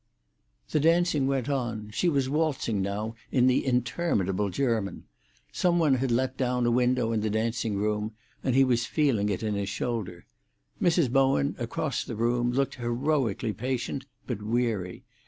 The dancing went on; she was waltzing now in the interminable german. Some one had let down, a window in the dancing room, and he was feeling it in his shoulder. Mrs. Bowen, across the room, looked heroically patient, but weary.